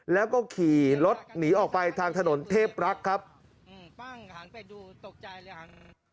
แล้วก็ขี่รถหนีออกไปทางถนนเทพลักษณ์ครับอืมห่างไปดูตกใจเลยห่าง